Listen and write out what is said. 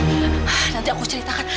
mas nanti aku ceritakan